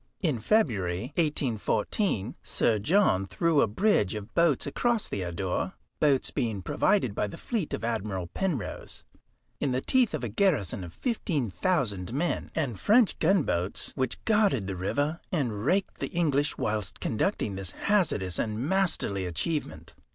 In February, 1814, Sir John threw a bridge of boats across the Adour, boats being provided by the fleet of Admiral Penrose, in the teeth of a garrison of 15,000 men, and French gunboats which guarded the river and raked the English whilst conducting this hazardous and masterly achievement.